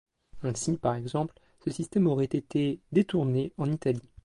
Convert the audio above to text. Ainsi, par exemple, ce système aurait été détourné en Italie.